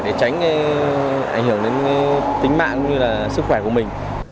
để tránh ảnh hưởng đến tính mạng cũng như là sức khỏe của mình